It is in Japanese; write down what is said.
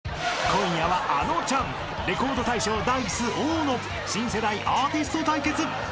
［今夜はあのちゃんレコード大賞Ｄａ−ｉＣＥ大野新世代アーティスト対決］